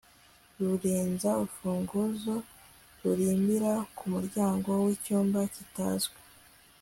kurenza urufunguzo ruririmbira kumuryango wicyumba kitazwi